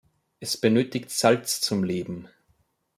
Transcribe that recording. Es benötigt Salz zum Leben.